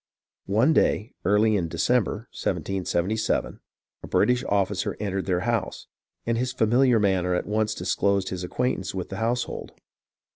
One day, early in December, 1777, a British officer entered their house, and his familiar manner at once dis closed his acquaintance with the household.